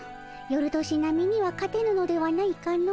よる年波には勝てぬのではないかの。